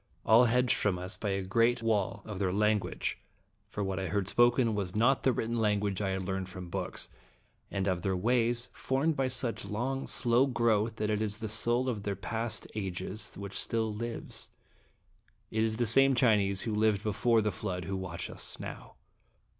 All hedged from us by a Great Wall of their language, for what I heard spoken was not the &!)e ^Dramatic in M$ tH^sting. 117 written language I had learned from books and of their ways, formed by such long, slow growth that it is the soul of their past ages which still lives it is the same Chinese who lived before the flood who watch us now.